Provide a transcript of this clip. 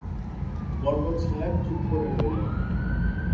বরকত সাহেব চুপ করে রইলেন।